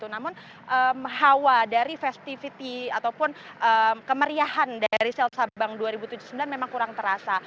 namun hawa dari festivity ataupun kemeriahan dari sel sabang dua ribu tujuh puluh sembilan memang kurang terasa